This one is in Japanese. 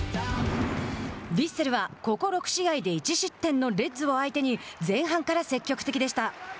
ヴィッセルは、ここ６試合で１失点のレッズを相手に前半から積極的でした。